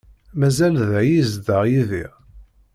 Mazal da i yezdeɣ Yidir?